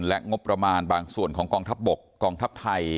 และงบประมาณบางส่วนของกองทัพบกกองทัพไทย